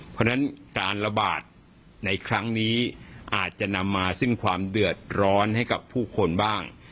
เพราะฉะนั้นการระบาดในครั้งนี้อาจจะนำมาซึ่งความเดือดร้อนให้กับผู้คนบ้าง